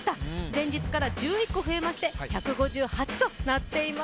前日から１１個増えまして、１５８個となっています。